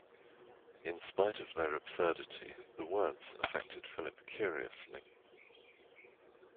In spite of their absurdity the words affected Philip curiously.